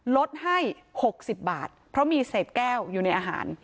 ลดให้๖๐บาทเพราะมีเศษแก้วอยู่ในอาหาร